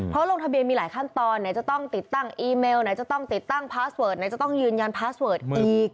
เพราะลงทะเบียนมีหลายขั้นตอนไหนจะต้องติดตั้งอีเมลไหนจะต้องติดตั้งพาสเวิร์ดไหนจะต้องยืนยันพาสเวิร์ดอีก